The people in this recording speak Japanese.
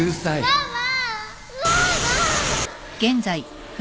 ママ！